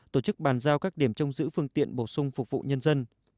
tổ chức bàn giao các điểm trông giữ phương tiện bổ sung phục vụ nhân dân